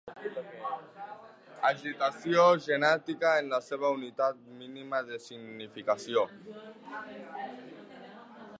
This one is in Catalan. Agitació genètica en la seva unitat mínima de significació.